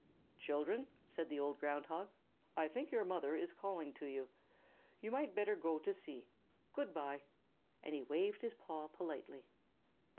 "Children," said the old Ground Hog, "I think your mother is calling to you. You might better go to see. Good by." And he waved his paw politely.